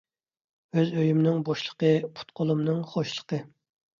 ئۆز ئۆيۈمنىڭ بوشلۇقى، پۇت – قولۇمنىڭ خوشلۇقى.